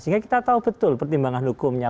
sehingga kita tahu betul pertimbangan hukumnya